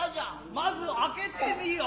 まず明けて見よう。